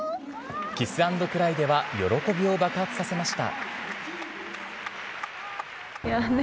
キスアンドクライでは喜びを爆発させました。